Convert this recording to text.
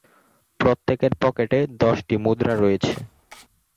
প্রত্যেকের পকেটে দশটি মুদ্রা রয়েছে।